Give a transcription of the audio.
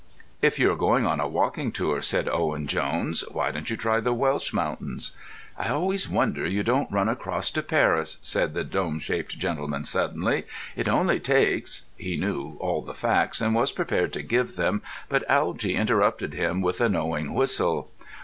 "If you going on a walking tour," said Owen Jones, "why don't you try the Welsh mountains?" "I always wonder you don't run across to Paris," said the dome shaped gentleman suddenly. "It only takes——" He knew all the facts, and was prepared to give them, but Algy interrupted him with a knowing whistle.